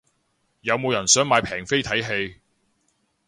有冇人想買平飛睇戲